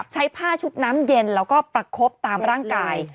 ใช้ผ้าชุบน้ำเย็นแล้วก็ประคบตามร่างกาย